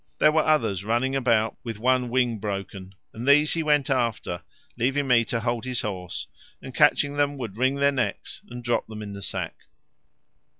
There were others running about with one wing broken, and these he went after, leaving me to hold his horse, and catching them would wring their necks and drop them in the sack.